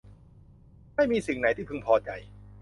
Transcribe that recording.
ไม่มีสิ่งไหนที่พึงพอใจ